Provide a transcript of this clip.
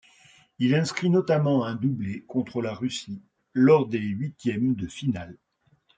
Il inscrit notamment un doublé contre la Russie lors des huitièmes de finale.